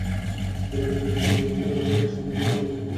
বেলা দুইটার দিকে মঈনকে তাঁদের বাড়ির সামনের সড়কে নুরে আলম ছুরিকাঘাত করেন।